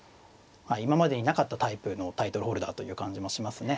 今までになかったタイプのタイトルホルダーという感じもしますね。